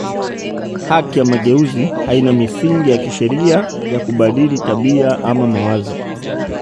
Haki ya mageuzi haina misingi ya kisheria ya kubadili tabia ama mawazo